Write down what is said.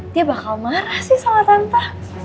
dia bakal marah sih sama tante